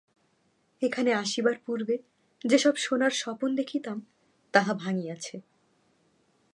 এখানে আসিবার পূর্বে যে-সব সোনার স্বপন দেখিতাম, তাহা ভাঙিয়াছে।